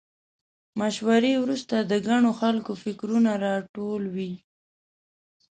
مشورې وروسته د ګڼو خلکو فکرونه راټول وي.